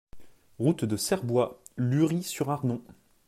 Route de Cerbois, Lury-sur-Arnon